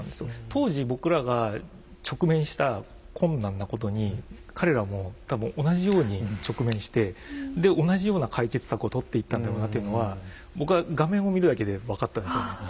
当時僕らが直面した困難なことに彼らも多分同じように直面してで同じような解決策を取っていったんだろうなっていうのは僕は画面を見るだけで分かったんですよ。